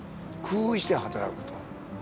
工夫して働くと。